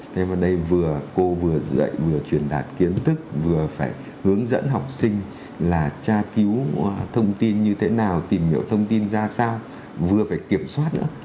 thế và đây vừa cô vừa dạy vừa truyền đạt kiến thức vừa phải hướng dẫn học sinh là tra cứu thông tin như thế nào tìm hiểu thông tin ra sao vừa phải kiểm soát nữa